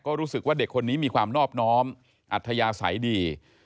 ก็รู้สึกว่าเด็กคนนี้มีความนอบน้อมอัธยาศัยดี